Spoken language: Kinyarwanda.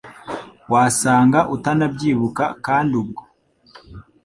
Wasanga utanabyibuka kandi ubwo